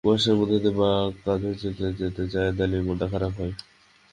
কুয়াশার মধ্যে দিয়ে বাঁক কাঁধে যেতে যেতে জয়েদ আলীর মনটা খারাপ হয়।